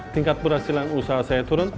tingkat berhasilan usaha saya turun